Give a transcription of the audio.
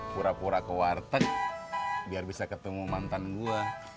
pura pura ke warteg biar bisa ketemu mantan gua